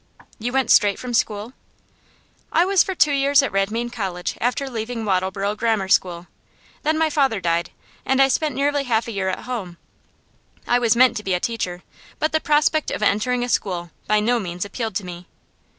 'You went straight from school?' 'I was for two years at Redmayne College after leaving Wattleborough Grammar School. Then my father died, and I spent nearly half a year at home. I was meant to be a teacher, but the prospect of entering a school by no means appealed to me.